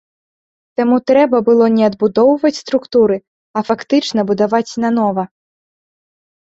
Таму трэба было не адбудоўваць структуры, а фактычна будаваць нанова.